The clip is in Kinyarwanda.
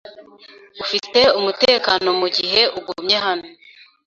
Ufite umutekano mugihe ugumye hano.